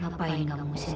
ngapain kamu sih nona